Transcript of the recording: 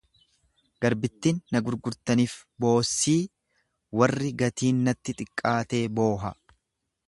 Garbittin na gurgurtanif boossii, warri gatiin natti xiqqaatee booha.